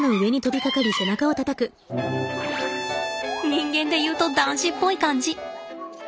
人間で言うと男子っぽい感じ。